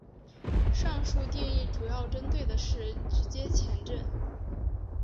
上述定义主要针对的是直接前震。